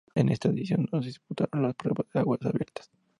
En esta edición no se disputaron las pruebas de aguas abiertas.